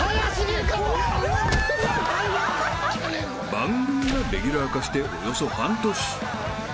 ［番組がレギュラー化しておよそ半年］